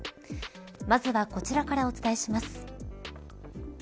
まずはこちらからお伝えします。